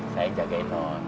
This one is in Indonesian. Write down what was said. saya yang jagain non